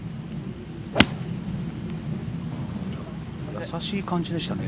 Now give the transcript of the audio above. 優しい感じでしたね